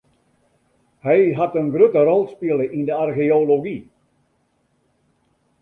Hy hat in grutte rol spile yn de archeology.